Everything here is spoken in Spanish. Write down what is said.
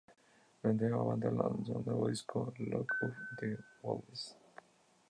La nueva banda lanzó un nuevo disco, Lock up the Wolves.